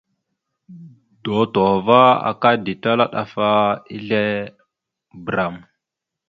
Dotohəva aka ditala ɗaf a ezle bəram.